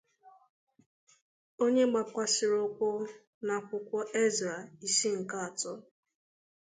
onye gbakwàsịrị ụkwụ n'akwụkwọ Ezra isi nke atọ